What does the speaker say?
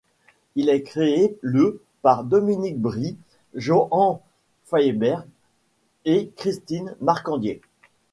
Il est créé le par Dominique Bry, Johan Faerber et Christine Marcandier.